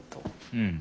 うん。